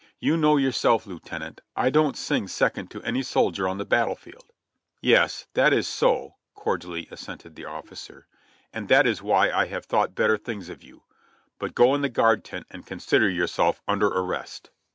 You know yourself, Lieutenant, I don't sing second to any soldier on the battle field." "Yes, that is so," cordially assented the officer, "and that is why I had thought better things of you; but go in the guard tent and consider yourself under arrest."